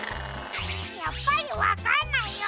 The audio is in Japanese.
やっぱりわかんないよ！